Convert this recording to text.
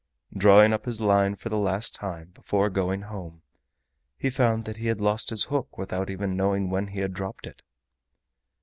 Drawing up his line for the last time before going home, he found that he had lost his hook without even knowing when he had dropped it.